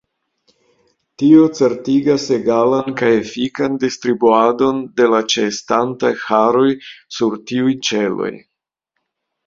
Tio certigas egalan kaj efikan distribuadon de la ĉeestantaj haroj sur tiuj ĉeloj.